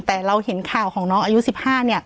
แต่เราเห็นข่าวของน้องอายุ๑๕